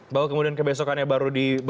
bahwa kemudian kebesokannya baru di